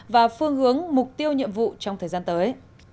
và phương hướng mục tiêu nhiệm vụ trong thời gian tới